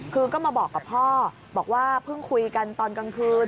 คือก็มาบอกกับพ่อบอกว่าเพิ่งคุยกันตอนกลางคืน